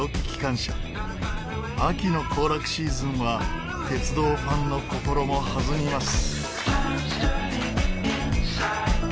秋の行楽シーズンは鉄道ファンの心も弾みます。